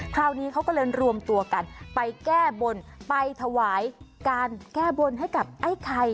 คราวนี้เขาก็เลยรวมตัวกันไปแก้บนไปถวายการแก้บนให้กับไอ้ไข่